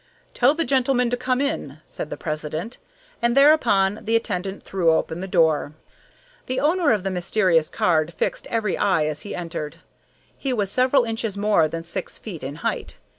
"Tell the gentleman to come in," said the president, and thereupon the attendant threw open the door. The owner of the mysterious card fixed every eye as he entered. He was several inches more than six feet in height.